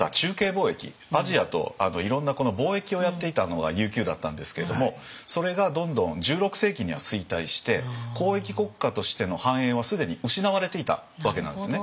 貿易アジアといろんな貿易をやっていたのが琉球だったんですけれどもそれがどんどん１６世紀には衰退して交易国家としての繁栄はすでに失われていたわけなんですね。